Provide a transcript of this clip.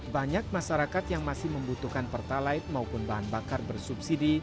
banyak masyarakat yang masih membutuhkan pertalite maupun bahan bakar bersubsidi